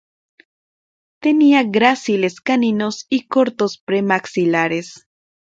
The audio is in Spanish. Tenía gráciles caninos y cortos premaxilares.